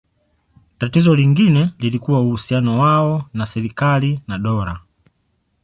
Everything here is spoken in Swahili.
Tatizo lingine lilikuwa uhusiano wao na serikali na dola.